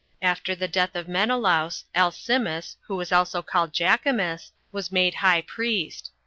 After the death of Menelaus, Alcimus, who was also called Jacimus, was made high priest.